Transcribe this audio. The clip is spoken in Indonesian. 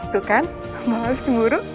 tuh kan bang alief cemburu